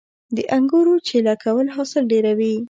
د انګورو چیله کول حاصل ډیروي